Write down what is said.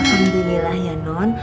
alhamdulillah ya non